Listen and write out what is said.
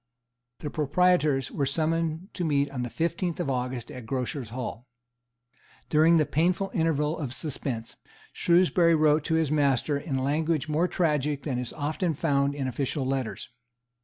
The proprietors were summoned to meet on the fifteenth of August at Grocers' Hall. During the painful interval of suspense, Shrewsbury wrote to his master in language more tragic than is often found in official letters.